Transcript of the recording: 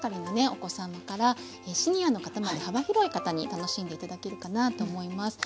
お子様からシニアの方まで幅広い方に楽しんで頂けるかなと思います。